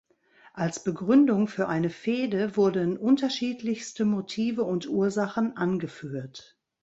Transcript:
Als Begründung für eine Fehde wurden unterschiedlichste Motive und Ursachen angeführt.